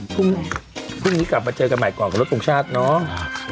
พรุ่งนี้กลับมาเจอกันใหม่ก่อนกับรถทรงชาติเนาะ